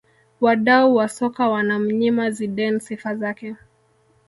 Wadau wa soka wanamnyima Zidane sifa zake